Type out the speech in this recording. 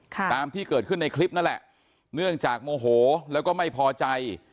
ตามที่เกิดขึ้นในคลิปนั่นแหละเนื่องจากโมโหแล้วก็ไม่พอใจ